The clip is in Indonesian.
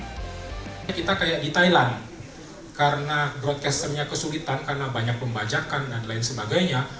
kita kayak di thailand karena broadcasternya kesulitan karena banyak pembajakan dan lain sebagainya